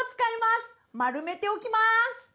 丸めておきます！